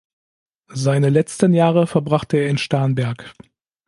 Seine letzten Jahre verbrachte er in Starnberg.